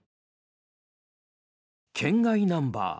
県外ナンバー。